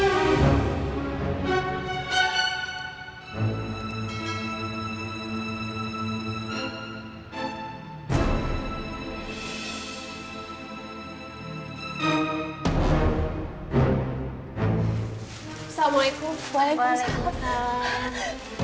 assalamualaikum warahmatullahi wabarakatuh